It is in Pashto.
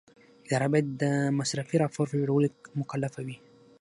اداره باید د مصرفي راپور په جوړولو مکلفه وي.